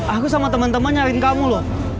aku sama temen temen nyariin kamu lo